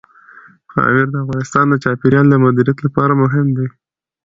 پامیر د افغانستان د چاپیریال د مدیریت لپاره مهم دي.